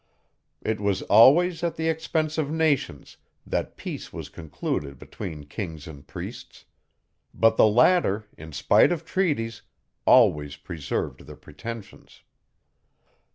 It was always at the expense of nations, that peace was concluded between kings and priests; but the latter, in spite of treaties, always preserved their pretensions.